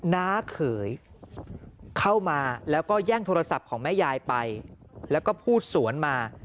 น้าเขยเข้ามาแล้วก็แย่งโทรศัพท์ของแม่ยายไปแล้วก็พูดสวนมา